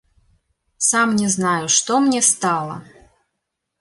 Сам не знаю, што мне стала?